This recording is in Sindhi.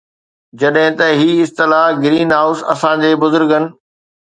جڏهن ته هي اصطلاح گرين هائوس اسان جي بزرگن